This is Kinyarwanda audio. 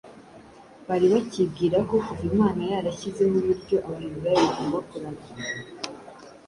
bari bacyibwira ko kuva Imana yarashyizeho uburyo Abaheburayo bagomba kuramya,